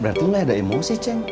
berarti mulai ada emosi ceng